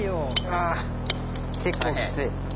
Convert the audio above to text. あ結構きつい。